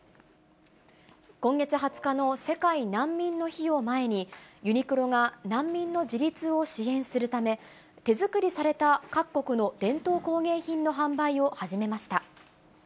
今月２０日の世界難民の日を前に、ユニクロが難民の自立を支援するため、手作りされた各国の伝統工芸品の販売を始めました。